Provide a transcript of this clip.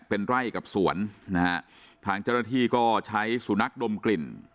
เป็นไร่กับสวนนะฮะทางเจ้าหน้าที่ก็ใช้สุนัขดมกลิ่น